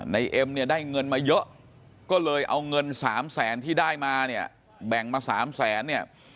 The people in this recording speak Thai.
เอ็มเนี่ยได้เงินมาเยอะก็เลยเอาเงิน๓แสนที่ได้มาเนี่ยแบ่งมา๓แสนเนี่ย